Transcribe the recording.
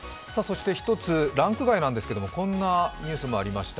ランク外ですが、こんなニュースもありました。